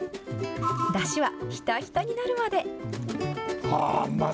だしはひたひたになるまで。